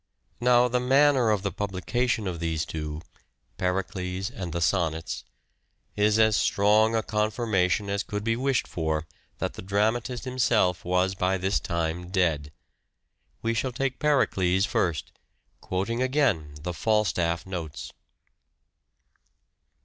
Now the manner of the publication of these two, " Pericles " and the " Sonnets," is as strong a confirmation as could be wished for that the dramatist himself was by this time dead. We shall take " Pericles " first, quoting again the " Falstaff " notes.